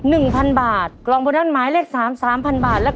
หนึ่งล้านหนึ่งล้านหนึ่งล้าน